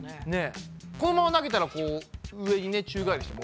このまま投げたらこう上にね宙返りして戻ってきた。